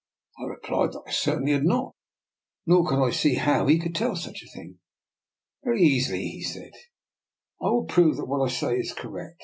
" I replied that I certainly had not, nor could I see how he could tell such a thing. " Very easily," he said: " I will prove that what I say is correct.